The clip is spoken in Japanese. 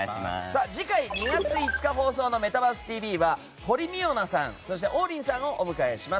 次回、２月５日放送の「メタバースＴＶ！！」は堀未央奈さん、王林さんをお迎えします。